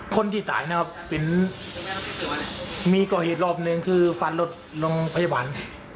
คนที่ตายแปลว่ามีก็เหตุรอบหนึ่งคือฟันรถลงพยาบาล